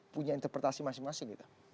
punya interpretasi masing masing gitu